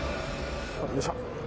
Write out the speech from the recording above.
よいしょ。